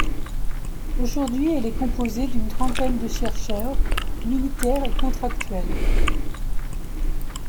Aujourd'hui, elle est composée d'une trentaine de chercheurs, militaires et contractuels...